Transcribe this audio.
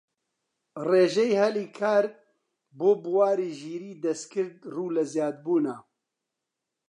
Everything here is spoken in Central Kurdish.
ڕێژەی هەلی کار بۆ بواری ژیریی دەستکرد ڕوو لە زیادبوونە